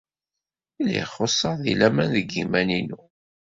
Lliɣ xuṣṣeɣ deg laman deg yiman-inu.